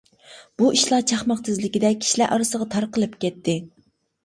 بۇ ئىشلار چاقماق تېزلىكىدە كىشىلەر ئارىسىغا تارقىلىپ كەتتى.